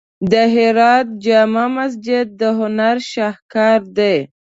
د هرات جامع مسجد د هنر شاهکار دی.